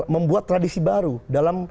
membuat tradisi baru dalam